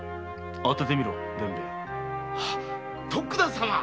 徳田様！